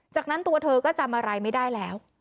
จากนั้นตัวเธอก็จำอะไรไม่ได้แล้ว